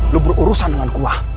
lo berurusan dengan kuah